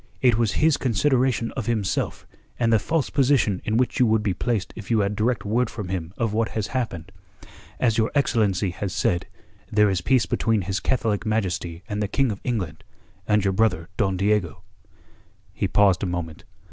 It was his consideration of himself and the false position in which you would be placed if you had direct word from him of what has happened. As your excellency has said, there is peace between His Catholic Majesty and the King of England, and your brother Don Diego...." He paused a moment.